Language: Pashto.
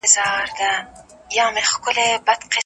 د فساد مخنیوی د ټولو دنده ده.